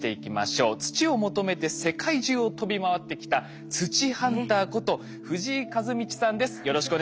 土を求めて世界中を飛び回ってきた土ハンターこと藤井一至さんです。